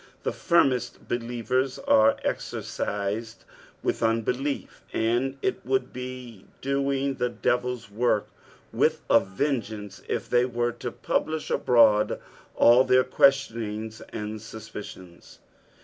The firmest believers are exercised with unbelief, and it would be doing the devil's work with a vengeance if they were to publish abroad sU their ques tionings and suspicions.